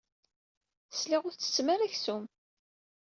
Sliɣ ur tettettem ara aksum.